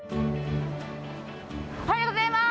おはようございます。